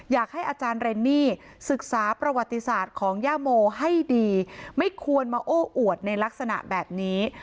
อยากให้อาจารย์เรนนี่ศึกษาประวัติศาสตร์ของย่าโมให้ดีไม่ควรมาโอ้อวดในลักษณะแบบนี้